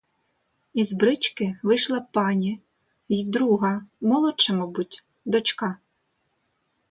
Із брички вийшла пані й друга, молодша мабуть, дочка.